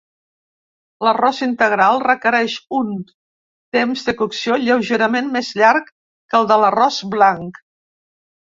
L'arròs integral requereix un temps de cocció lleugerament més llarg que el de l'arròs blanc.